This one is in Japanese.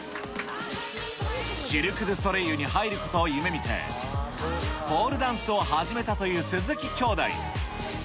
シルク・ドゥ・ソレイユに入ることを夢みて、ポールダンスを始めたという鈴木兄妹。